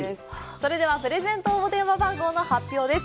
それでは、プレゼント応募電話番号の発表です。